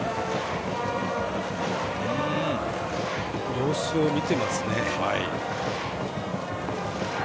様子を見ていますね。